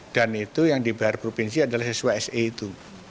dan itu yang dibayar provinsi adalah sesuai se itu